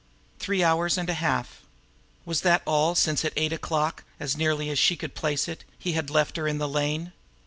Three hours and a half! Was that all since at eight o'clock, as nearly as she could place it, he had left her in the lane?